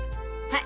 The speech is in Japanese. はい。